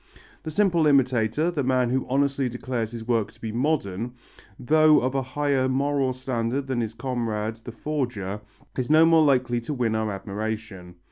The simple imitator, the man who honestly declares his work to be modern, though of a higher moral standard than his comrade the forger, is no more likely to win our admiration.